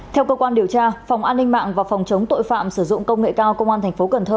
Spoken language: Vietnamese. theo cơ quan điều tra phòng an ninh mạng và phòng chống tội phạm sử dụng công nghệ cao công an tp cn